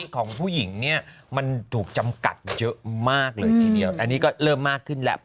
ของผู้หญิงเนี่ยมันถูกจำกัดเยอะมากเลยทีเดียวอันนี้ก็เริ่มมากขึ้นแล้ว